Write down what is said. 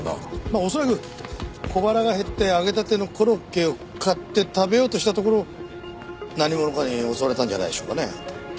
まあ恐らく小腹が減って揚げたてのコロッケを買って食べようとしたところを何者かに襲われたんじゃないでしょうかね。